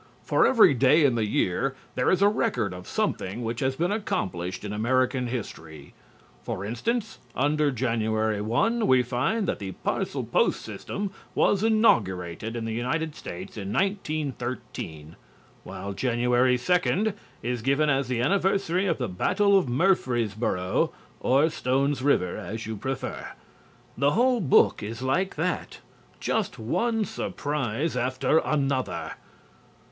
For every day in the year there is a record of something which has been accomplished in American history. For instance, under Jan. 1 we find that the parcel post system was inaugurated in the United States in 1913, while Jan. 2 is given as the anniversary of the battle of Murfreesboro (or Stone's River, as you prefer). The whole book is like that; just one surprise after another.